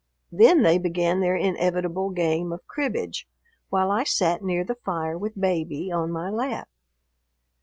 Then they began their inevitable game of cribbage, while I sat near the fire with Baby on my lap.